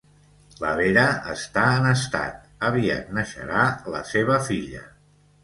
La Vera està en estat, aviat neixerà la seva filla